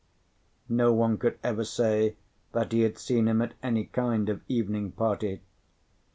No one could ever say that he had seen him at any kind of evening party.